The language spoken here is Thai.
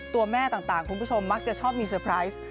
ตัวแม่ต่างคุณผู้ชมมักจะชอบมีเซอร์ไพรส์